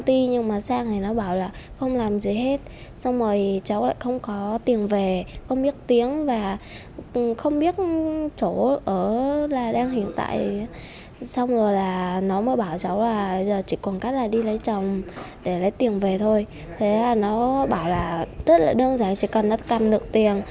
thế là nó bảo là rất là đơn giản chỉ cần nó cầm được tiền